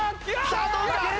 さあどうか？